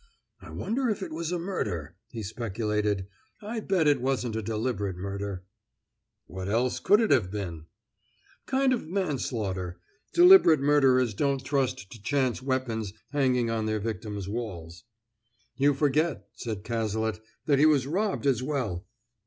"I wonder if it was a murder?" he speculated. "I bet it wasn't a deliberate murder." "What else could it have been?" "Kind of manslaughter. Deliberate murderers don't trust to chance weapons hanging on their victims' walls." "You forget," said Cazalet, "that he was robbed as well."